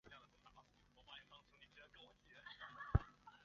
曾努力参加雅典对马其顿保持独立的活动并从中发挥作用。